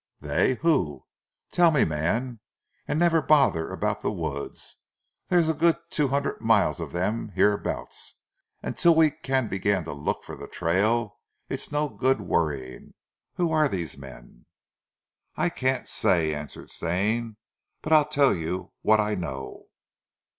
"They who? Tell me, man, and never bother about the woods. There's a good two hundred miles of them hereabouts and till we can begin to look for the trail it is no good worrying. Who are these men " "I can't say," answered Stane, "but I'll tell you what I know."